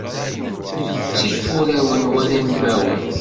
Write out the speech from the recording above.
Ttif urawen wala imawen.